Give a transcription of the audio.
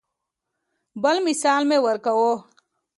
بل مثال مې ورکو.